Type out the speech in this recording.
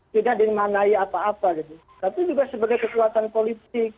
tidak dimaknai apa apa tapi juga sebagai kekuatan politik